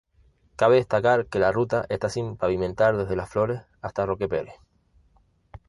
Cabe destacar que la ruta está sin pavimentar desde Las Flores hasta Roque Perez.